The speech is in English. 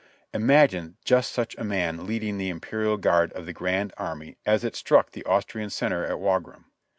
Imagine just such a man leading the Imperial Guard of the Grand Army as it struck the Austrian center at Wagram.